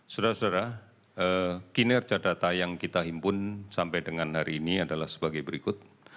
saudara saudara kinerja data yang kita himpun sampai dengan hari ini adalah sebagai berikut